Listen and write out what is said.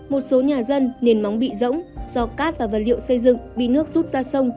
một số nhà dân nền móng bị rỗng do cát và vật liệu xây dựng bị nước rút ra sông